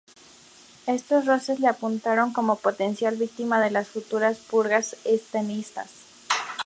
Estos roces le apuntaron como potencial víctima de las futuras purgas estalinistas.